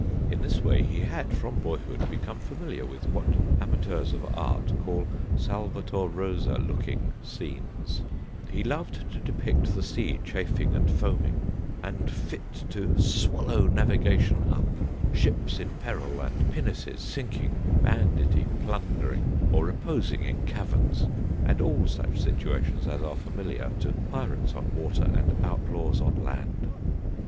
In this way he had, from boyhood, become familiar with what amateurs of art call 'Salvator Rosa looking scenes'; he loved to depict the sea chafing and foaming, and fit 'to swallow navigation up' ships in peril, and pinnaces sinking banditti plundering, or reposing in caverns and all such situations as are familiar to pirates on water, and outlaws on land....